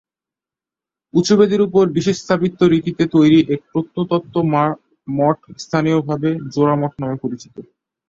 উঁচু বেদীর উপর বিশেষ স্থাপত্য রীতিতে তৈরি এই পঞ্চরত্ন মঠ স্থানীয়ভাবে জোড়া মঠ নামে পরিচিত।